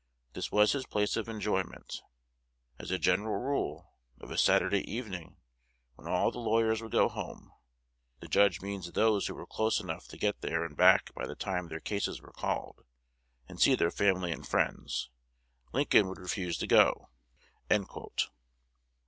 This was his place of enjoyment. As a general rule, of a Saturday evening, when all the lawyers would go home [the judge means those who were close enough to get there and back by the time their cases were called] and see their families and friends, Lincoln would refuse to go."